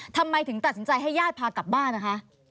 ทำไมถึงตัดสินใจให้ญาติพากลับบ้านนะคะ